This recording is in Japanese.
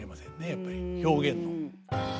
やっぱり表現の。